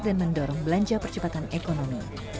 dan mendorong belanja percepatan ekonomi